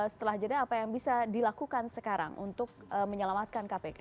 setelah jeda apa yang bisa dilakukan sekarang untuk menyelamatkan kpk